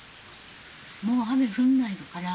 もう雨降んないのかな？